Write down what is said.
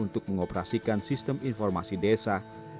untuk mengoperasikan sistem informasi desa